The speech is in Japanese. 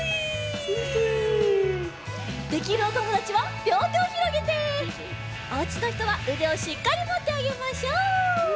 できるおともだちはりょうてをひろげておうちのひとはうでをしっかりもってあげましょう。